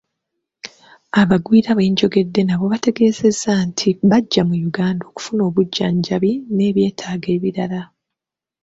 Abagwira be njogeddeko nabo bantegeezezza nti bajja mu Uganda okufuna obujjanjabi n'ebyetaago ebirala.